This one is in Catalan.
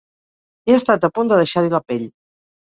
He estat a punt de deixar-hi la pell!